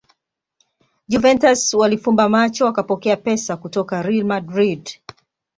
Juventus walifumba macho wakapokea pesa kutokwa real madrid